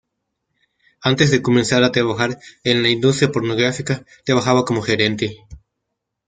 Antes de comenzar a trabajar en la industria pornográfica, trabajaba como gerente.